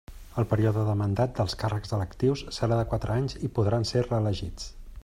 El període de mandat dels càrrecs electius serà de quatre anys i podran ser reelegits.